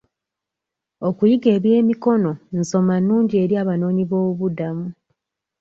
Okuyiga eby'emikono nsoma nnungi eri abanoonyiboobubudamu.